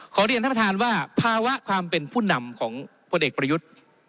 ขอเรียนท่านประธานว่าภาวะความเป็นผู้นำของพลเอกประยุทธ์